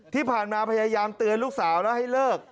ที่ผ่านมาพยายามเตือนลูกสาวแล้วให้เลิก